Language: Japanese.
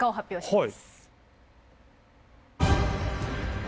はい。